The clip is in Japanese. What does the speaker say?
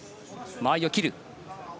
間合いを切る。